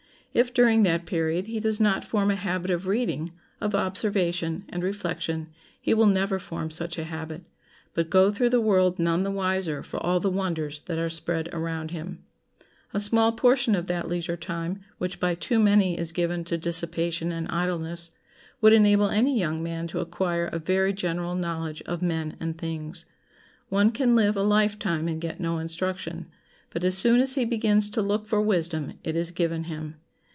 If during that period he does not form a habit of reading, of observation, and reflection, he will never form such a habit, but go through the world none the wiser for all the wonders that are spread around him. A small portion of that leisure time which by too many is given to dissipation and idleness, would enable any young man to acquire a very general knowledge of men and things. One can live a life time and get no instruction; but as soon as he begins to look for wisdom it is given him.